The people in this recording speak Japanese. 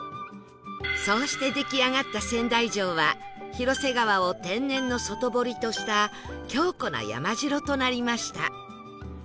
そうして出来上がった仙台城は広瀬川を天然の外堀とした強固な山城となりました